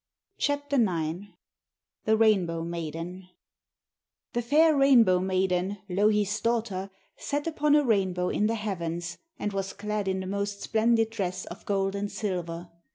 THE RAINBOW MAIDEN The fair Rainbow maiden, Louhi's daughter, sat upon a rainbow in the heavens, and was clad in the most splendid dress of gold and silver.